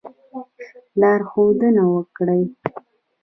لارښودنه وکړي.